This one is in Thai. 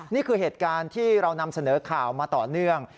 นี่คือเหตุการณ์ที่เรานำเสนอข่าวมาต่อเนื่อง